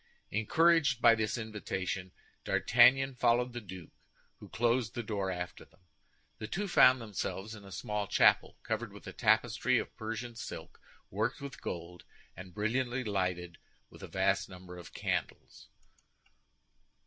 Encouraged by this invitation, D'Artagnan followed the duke, who closed the door after them. The two found themselves in a small chapel covered with a tapestry of Persian silk worked with gold, and brilliantly lighted with a vast number of candles.